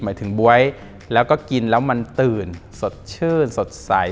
หมายถึงบ๊วยแล้วก็กินแล้วมันตื่นสดชื่นสดใส